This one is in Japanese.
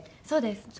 そうです。